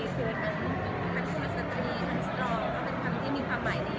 คือทั้งสุตรีทั้งสตรองก็เป็นคำที่มีความหมายดี